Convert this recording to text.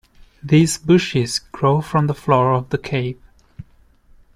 These bushes grow from the floor of the cave.